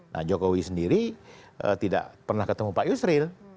nah jokowi sendiri tidak pernah ketemu pak yusril